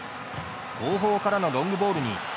後方からのロングボールに。